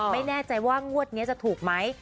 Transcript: ไม่แน่ใจว่างวดนี้จะถูกไหม